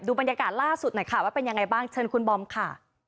บรรยากาศล่าสุดหน่อยค่ะว่าเป็นยังไงบ้างเชิญคุณบอมค่ะ